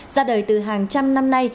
ra đời từ hàng trăm năm nay